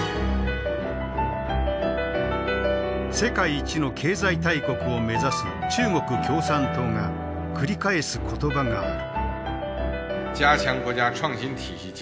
世界一の経済大国を目指す中国共産党が繰り返す言葉がある。